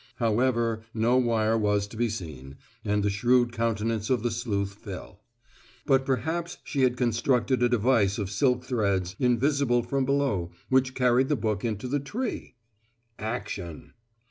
However, no wire was to be seen and the shrewd countenance of the sleuth fell. But perhaps she had constructed a device of silk threads, invisible from below, which carried the book into the tree. Action!